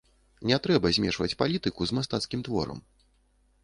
Не трэба змешваць палітыку з мастацкім творам.